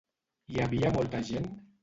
Hi havia molta gent?